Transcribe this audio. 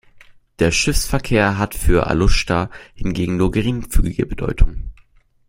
Der Schiffsverkehr hat für Aluschta hingegen nur geringfügige Bedeutung.